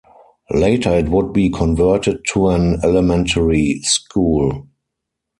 Later it would be converted to an elementary school.